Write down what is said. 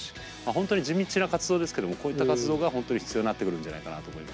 本当に地道な活動ですけどもこういった活動が本当に必要になってくるんじゃないかなと思いますね。